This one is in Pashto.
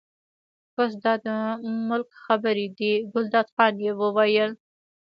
بس دا د ملک خبرې دي، ګلداد خان یې وویل.